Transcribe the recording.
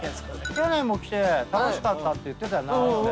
去年も来て「楽しかった」って言ってたよなっつって。